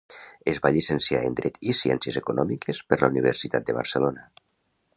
Es va llicenciar en Dret i Ciències econòmiques per la Universitat de Barcelona.